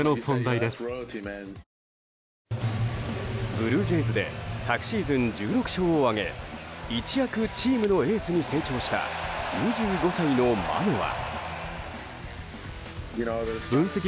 ブルージェイズで昨シーズン１６勝を挙げ一躍チームのエースに成長した２５歳のマノア。